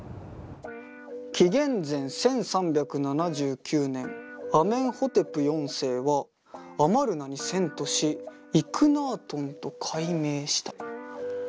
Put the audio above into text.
「紀元前１３７９年アメンホテプ４世はアマルナに遷都しイクナートンと改名した」。